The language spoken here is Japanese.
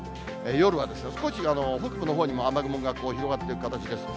夜は少し北部のほうにも雨雲が広がっていく形です。